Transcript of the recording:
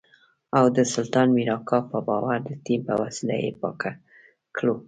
او د سلطان مير اکا په باور د تيمم په وسيله يې پاکه کړو.